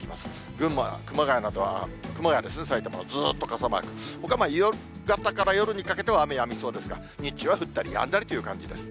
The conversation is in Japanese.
群馬、熊谷などは埼玉の、ずっと傘マーク、ほか、夕方から夜にかけては雨やみそうですが、日中は降ったりやんだりという感じです。